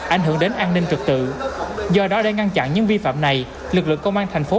ảnh hưởng đến an ninh trực tự do đó để ngăn chặn những vi phạm này lực lượng công an thành phố